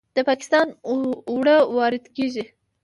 د پاکستان اوړه وارد کیږي.